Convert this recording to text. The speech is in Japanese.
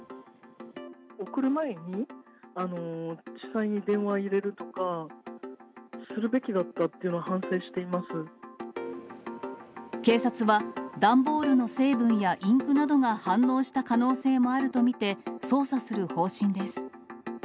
送る前に、地裁に電話入れるとか、するべきだったっていうの警察は、段ボールの成分やインクなどが反応した可能性もあると見て、捜査する方針です。